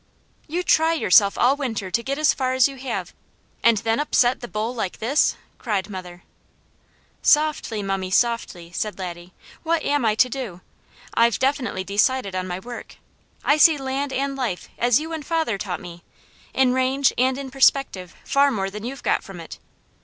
"You try yourself all winter to get as far as you have, and then upset the bowl like this?" cried mother. "Softly, mummy, softly!" said Laddie. "What am I to do? I've definitely decided on my work. I see land and life, as you and father taught me, in range and in perspective far more than you've got from it.